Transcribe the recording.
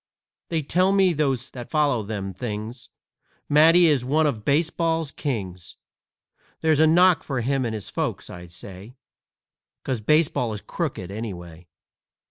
They tell me, those that follows them things, Matty is one of baseball's kings. That's a knock for him and his folks, I say, 'Cause baseball is crooked, anyway!"